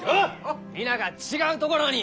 皆が違うところに！